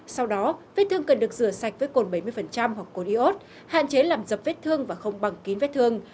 sau đó vết thương cần được rửa sạch với cồn bảy mươi hoặc cồn iốt hạn chế làm dập vết thương và không bằng kín vết thương